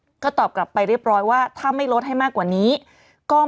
ก็ตอบกลับไปเรียบร้อยว่าถ้าไม่ลดให้มากกว่านี้กล้อง